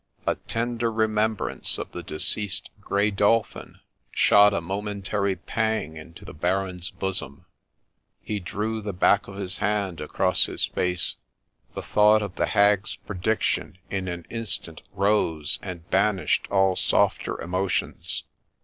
A tender remembrance of the deceased Grey Dolphin shot a momentary pang into the Baron's bosom ; he drew the back of his hand across his face ; the thought of the hag's prediction in an instant rose, and banished all softer emotions.